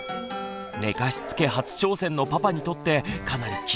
寝かしつけ初挑戦のパパにとってかなり厳しい状況です。